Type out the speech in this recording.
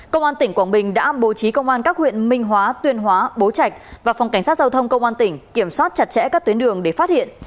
công an tỉnh quảng bình đã bố trí công an các huyện minh hóa tuyên hóa bố trạch và phòng cảnh sát giao thông công an tỉnh kiểm soát chặt chẽ các tuyến đường để phát hiện